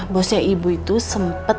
bosnya ibu itu sempet